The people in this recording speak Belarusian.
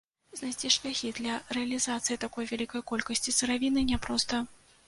Знайсці шляхі для рэалізацыі такой вялікай колькасці сыравіны няпроста.